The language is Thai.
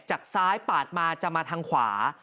จากซ้ายปาดมาจะมาทางขวา